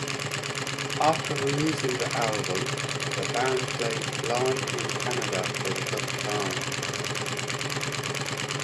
After releasing the album, the band played live in Canada for the first time.